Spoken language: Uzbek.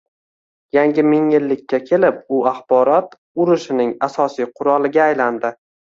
Yangi mingyillikka kelib u axborot urushining asosiy quroliga aylandi